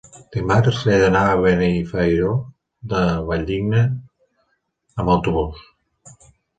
Dimarts he d'anar a Benifairó de la Valldigna amb autobús.